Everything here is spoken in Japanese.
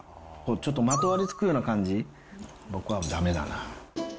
ちょっとまとわりつくような感じ、僕はだめだな。